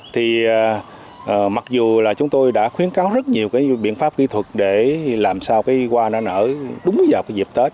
thì mặc dù là chúng tôi đã khuyến cáo rất nhiều cái biện pháp kỹ thuật để làm sao cái hoa nó nở đúng vào cái dịp tết